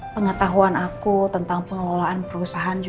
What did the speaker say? pengetahuan aku tentang pengelolaan perusahaan